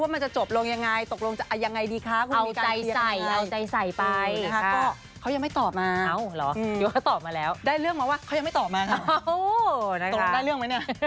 วิวธาหรณ์แล้วกัน